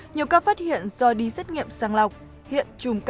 nhiều ca phát hiện do đi xét nghiệm sang lọc hiện